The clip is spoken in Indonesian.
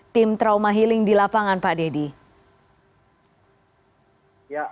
tim trauma healing di lapangan pak dedy